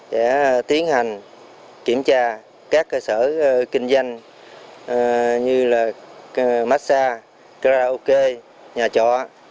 để tiến hành kiểm tra các cơ sở kinh doanh như là massage karaoke nhà trọ